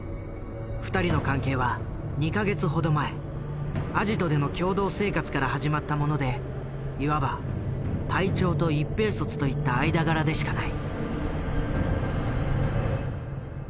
二人の関係は２か月ほど前アジトでの共同生活から始まったものでいわば隊長と一兵卒といった間柄でしかない。